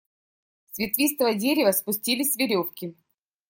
С ветвистого дерева спустились веревки.